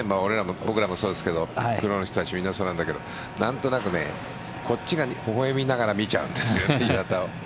僕らもそうですけどプロの人たちみんなそうなんだけど何となくこっちが微笑みながら見ちゃうんです岩田を。